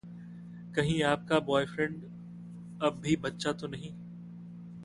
कहीं आपका ब्वॉयफ्रेंड अब भी बच्चा तो नहीं...